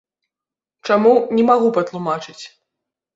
Чаму, не магу патлумачыць.